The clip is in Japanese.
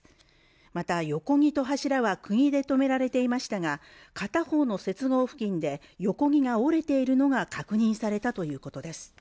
また横木と柱は釘で留められていましたが片方の接合付近で横木が折れているのが確認されたということです